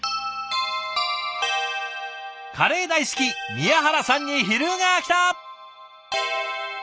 カレー大好き宮原さんに昼がきた！